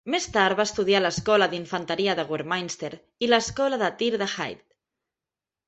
Més tard, va estudiar a l'escola d'infanteria de Warminster i a l'escola de tir de Hythe.